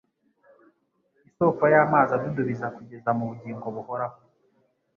“isoko y’amazi adudubiza kugeza mu bugingo buhoraho